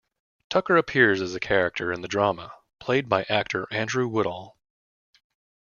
Tucker appears as a character in the drama, played by actor Andrew Woodall.